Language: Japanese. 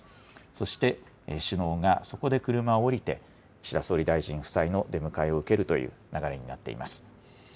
そして首脳がそこで車を降りて、岸田総理大臣夫妻の出迎えを受けるという流れになっています。